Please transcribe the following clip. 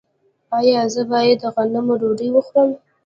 ایا زه باید د غنمو ډوډۍ وخورم؟